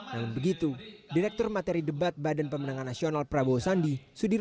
namun begitu direktur materi debat badan pemenangan nasional prabowo sandi sudirman